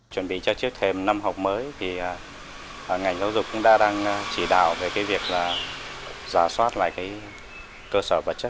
chuẩn bị cho chiếc thêm năm học mới ngành giáo dục cũng đang chỉ đạo về việc ra soát lại cơ sở vật chất